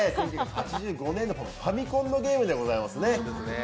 １９８５年のファミコンのゲームでございます。